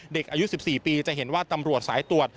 เด็กอายุ๑๔ปีจะเห็นว่าตำรวจสายตรวจ